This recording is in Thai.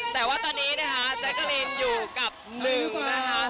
แต่ว่าตอนนี้นะคะแจ๊คลินอยู่กับหนึ่งนะคะ